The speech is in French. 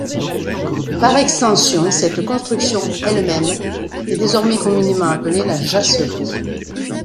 Par extension, cette construction elle-même, est désormais communément appelée la Jasserie.